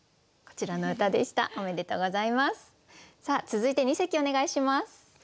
続いて二席お願いします。